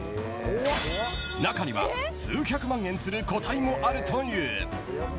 中には数百万円する個体もあるという。